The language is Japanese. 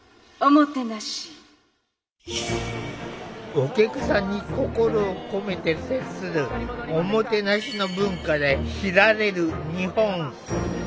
お客さんに心を込めて接する“おもてなし”の文化で知られる日本。